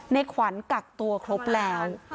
ในขวัญกักตัวครบแล้ว